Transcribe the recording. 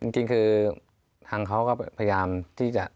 จริงคือทางเขาก็พยายามที่จะ